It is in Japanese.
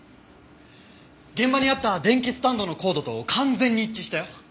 現場にあった電気スタンドのコードと完全に一致したよ。